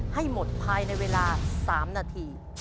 ให้หมดภายในเวลา๓นาที